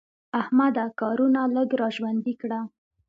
احمده کارونه لږ را ژوندي کړه.